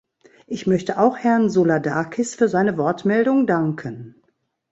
Ich möchte auch Herrn Souladakis für seine Wortmeldung danken.